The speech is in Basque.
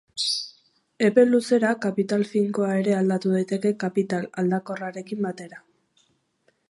Epe luzera, kapital finkoa ere alda daiteke kapital aldakorrarekin batera.